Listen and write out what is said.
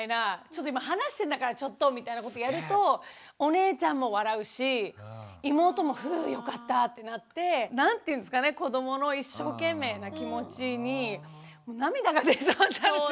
ちょっと今話してんだからちょっとみたいなことやるとお姉ちゃんも笑うし妹もふよかったってなって何て言うんですかね子どもの一生懸命な気持ちに涙が出そうになるというか。